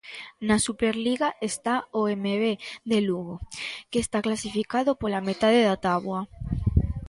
Na Superliga está o Emevé de Lugo, que está clasificado pola metade da táboa.